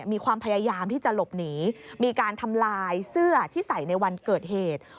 มีความพยายามที่จะหลบหนีมีการทำลายเสื้อที่ใส่ในวันเกิดเหตุ